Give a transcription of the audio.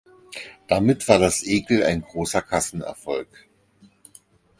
Damit war "Das Ekel" ein großer Kassenerfolg.